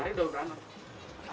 hari udah berangkat